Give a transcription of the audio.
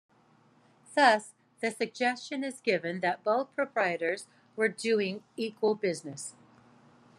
Thus, the suggestion is given that both proprietors were doing equal business.